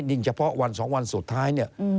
เฉพาะวัน๒วันสุดท้ายเนี่ย